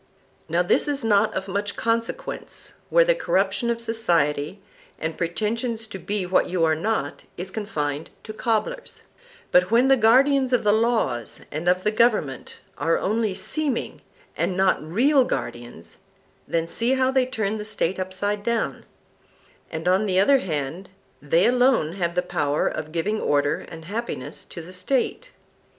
Now this is not of much consequence where the corruption of society, and pretension to be what you are not, is confined to cobblers; but when the guardians of the laws and of the government are only seeming and not real guardians, then see how they turn the State upside down; and on the other hand they alone have the power of giving order and happiness to the State.